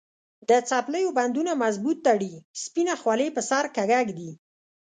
د څپلیو بندونه مضبوط تړي، سپینه خولې پر سر کږه ږدي.